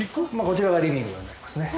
こちらがリビングになりますね。